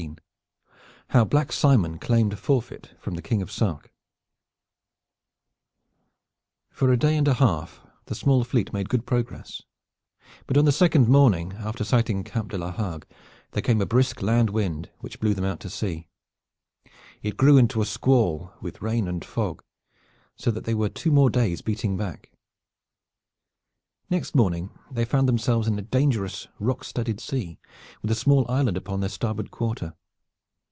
XVIII. HOW BLACK SIMON CLAIMED FORFEIT FROM THE KING OF SARK For a day and a half the small fleet made good progress, but on the second morning, after sighting Cape de la Hague, there came a brisk land wind which blew them out to sea. It grew into a squall with rain and fog so that they were two more days beating back. Next morning they found themselves in a dangerous rock studded sea with a small island upon their starboard quarter.